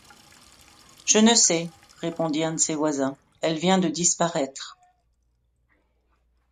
Je ne sais, répondit un de ses voisins, elle vient de disparaître.